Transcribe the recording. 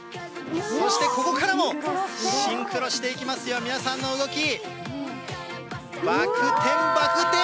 そして、ここからも、シンクロしていきますよ、皆さんの動き。